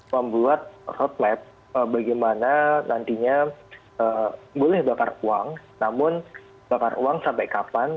membuat roadmap bagaimana nantinya boleh bakar uang namun bakar uang sampai kapan